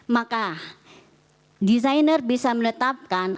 maka desainer bisa menetapkan